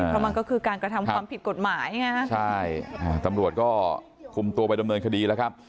เพราะมันก็คือการกระทำความผิดกฎหมายไงฮะใช่ตำรวจก็คุมตัวไปดำเนินคดีแล้วครับ